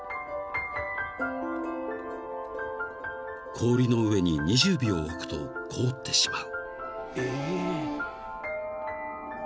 ［氷の上に２０秒置くと凍ってしまう］